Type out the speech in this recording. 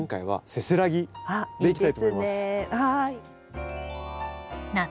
はい。